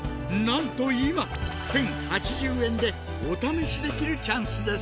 なんと今１，０８０円でお試しできるチャンスです！